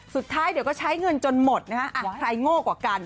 สุดท้ายเดี๋ยวก็ใช้เงินจนหมดนะฮะใครโง่กว่ากัน